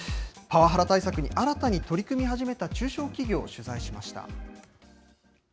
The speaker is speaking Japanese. パワハラ対策に新たに取り組み始めた中小企業を取材しました。